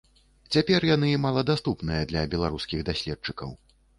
Цяпер яны маладаступныя для беларускіх даследчыкаў.